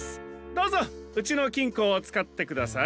どうぞうちのきんこをつかってください。